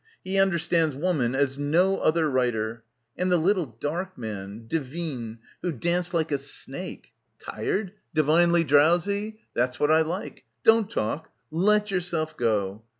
He understands woman as no other writer " And the little dark man — De Vigne — who danced like a snake. ... Tired? Divinely drowsy? That's what I like. Don't talk. Let yourself go.